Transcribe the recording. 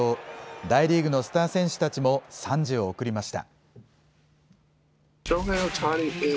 大リーグのスター選手たちも賛辞を送りました。